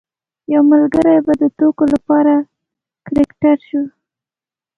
یو ملګری به د ټوکو لپاره کرکټر شو.